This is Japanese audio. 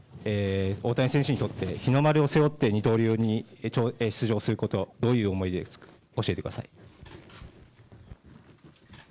大谷選手にとって日の丸を背負って二刀流で出場することどういう思いですか教えてください。